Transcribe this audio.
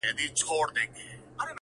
کال ته به مرمه~